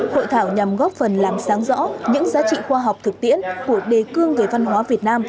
hội thảo nhằm góp phần làm sáng rõ những giá trị khoa học thực tiễn của đề cương về văn hóa việt nam